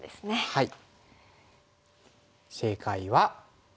はい。